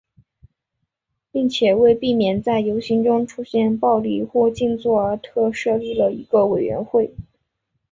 并且为避免在游行中出现暴力或静坐而特设了一个委员会。